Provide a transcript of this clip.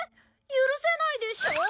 許せないでしょう？